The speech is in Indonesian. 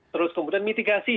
terus kemudian mitigasi